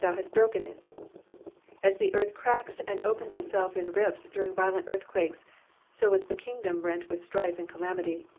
'''•Thou hast h'oken it.'*'' As the earth cracks, and opens itself in rifts during violent earthquakes, so was the kingdom rent with strife and calamity.